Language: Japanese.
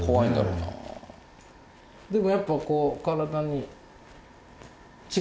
でもやっぱこう。